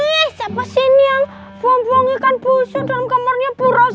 iya siapa sih ini yang buang buang ikan busu dalam kamarnya ibu nurse